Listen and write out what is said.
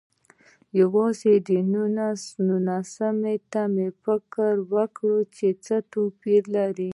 یوازې نوګالس ته پام وکړئ چې څه توپیر لري.